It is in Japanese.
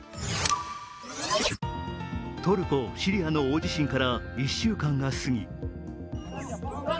トルコ・シリアの大地震から１週間が過ぎ